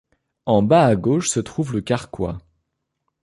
En bas à gauche se trouve le carquois.